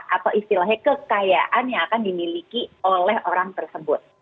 atau istilahnya kekayaan yang akan dimiliki oleh orang tersebut